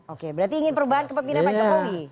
oke berarti ingin perubahan ke pemimpinannya pak jokowi